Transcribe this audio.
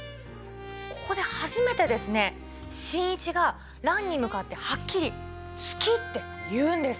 ここで初めてですね、新一が蘭に向かってはっきり好きって言うんです。